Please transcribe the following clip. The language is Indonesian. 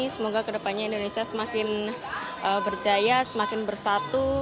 semoga kedepannya indonesia semakin berjaya semakin bersatu